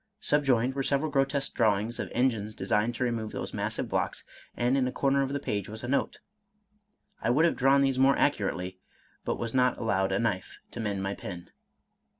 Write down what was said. Subjoined were several grotesque drawings of engines designed to remove those massive blocks, and in a corner of the page was a note, —" I would have drawn these more accurately, but was not allowed a knife to mend my pen."